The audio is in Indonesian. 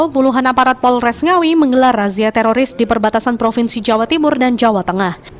puluhan aparat polres ngawi menggelar razia teroris di perbatasan provinsi jawa timur dan jawa tengah